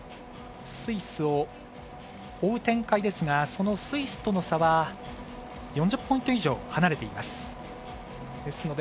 スイスを追う展開ですがそのスイスとの差は４０ポイント以上、離れています。